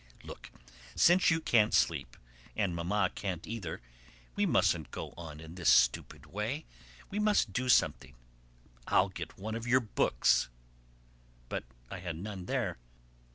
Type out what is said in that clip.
Look, since you can't sleep, and Mamma can't either, we mustn't go on in this stupid way; we must do something; I'll get one of your books." But I had none there.